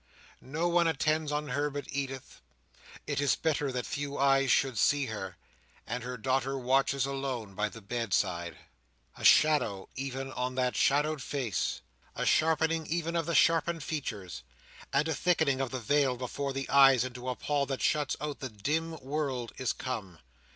No one attends on her but Edith. It is better that few eyes should see her; and her daughter watches alone by the bedside. A shadow even on that shadowed face, a sharpening even of the sharpened features, and a thickening of the veil before the eyes into a pall that shuts out the dim world, is come.